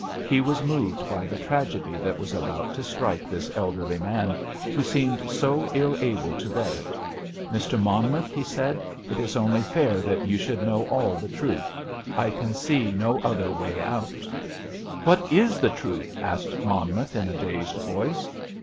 He was moved by the tragedy that was about to strike this elderly man, who seemed so ill able to bear it. "Mr. Monmouth," he said, "it is only fair that you should know all the truth. I can see no other way out." "What is the truth?" asked Monmouth in a dazed voice.